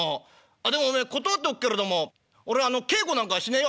でもおめえ断っておくけれども俺稽古なんかしねえよ？